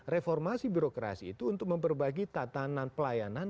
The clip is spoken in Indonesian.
reformasi birokrasi itu untuk memperbaiki tatanan pelayanan